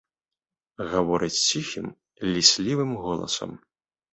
Гаворыць ціхім, ліслівым голасам.